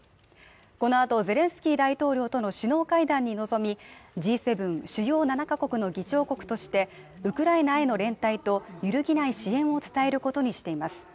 このあとゼレンスキー大統領との首脳会談に臨みＧ７＝主要７か国首脳会議の議長国としてウクライナへの連帯と揺るぎない支援を伝えることにしています。